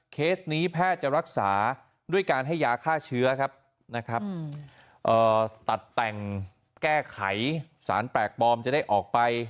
เคสนี้แพทย์จะรักษาด้วยการให้ยาฆ่าเชื้อครับนะครับตัดแต่งแก้ไขสารแปลกปลอมจะได้ออกไป